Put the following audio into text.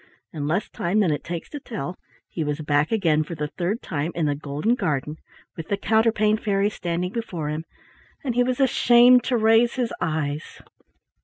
In less time than it takes to tell, he was back again for the third time in the golden garden, with the Counterpane Fairy standing before him, and he was ashamed to raise his eyes.